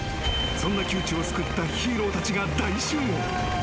そんな窮地を救ったヒーローたちが大集合。